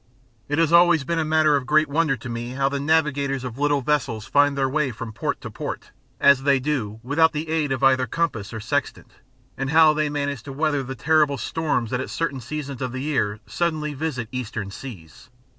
It has always been a matter of great wonder to me how the navigators of little vessels find their way from port to port, as they do, without the aid of either compass or sextant, and how they manage to weather the terrible storms that at certain seasons of the year suddenly visit eastern seas.